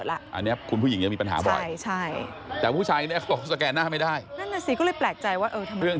แสดงแสดงแสดงแสดงแสดงแสดงแสดงแสดง